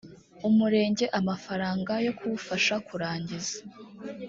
umurenge amafaranga yo kuwufasha kurangiza